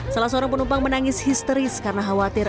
salah seorang penumpang menangis histeris karena khawatir